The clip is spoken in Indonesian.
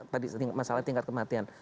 tadi masalah tingkat kematian